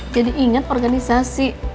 jadi ingat organisasi